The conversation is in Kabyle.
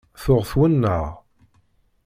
Tuɣ twennaε.